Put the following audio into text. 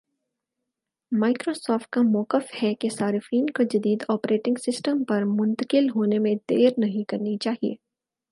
Microsoft کا مؤقف ہے کہ صارفین کو جدید آپریٹنگ سسٹم پر منتقل ہونے میں دیر نہیں کرنی چاہیے